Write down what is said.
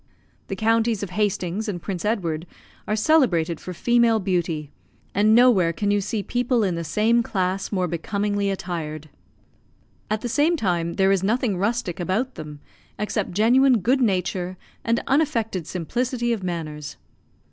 The counties of Hastings and Prince Edward are celebrated for female beauty, and nowhere can you see people in the same class more becomingly attired. At the same time there is nothing rustic about them, except genuine good nature and unaffected simplicity of manners.